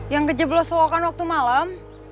yang ke jeblos solokan waktu malam